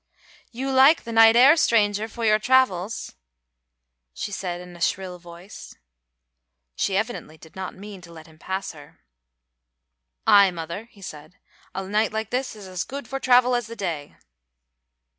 "You like the night air, stranger, for your travels," she said in a shrill voice. She evidently did not mean to let him pass her. "Ay, mother," he said, "a night like this is as good for travel as the day."